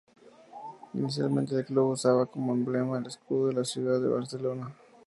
Inicialmente el club usaba como emblema el escudo de la ciudad de Barcelona.